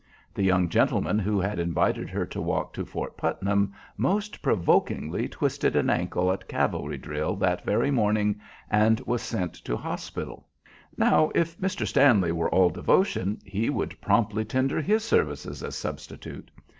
The young gentleman who had invited her to walk to Fort Putnam, most provokingly twisted an ankle at cavalry drill that very morning, and was sent to hospital. Now, if Mr. Stanley were all devotion, he would promptly tender his services as substitute.